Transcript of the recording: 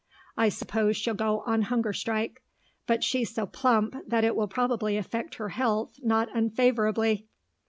I suppose she'll go on hunger strike; but she's so plump that it will probably affect her health not unfavourably.